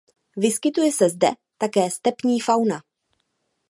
Vyskytuje se zde také stepní fauna.